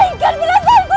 begitupun aku raden